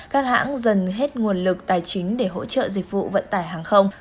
các hãng dần hết nguồn lực tài chính để hỗ trợ dịch vụ vận tải hàng không